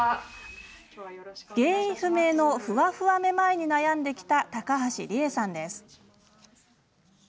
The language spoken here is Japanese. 原因不明のフワフワめまいに悩んできた高橋理恵さんです。